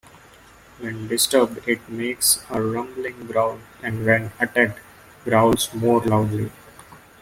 When disturbed it makes a rumbling growl, and when attacked, growls more loudly.